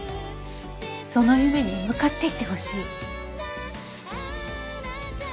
その夢に向かっていってほしい。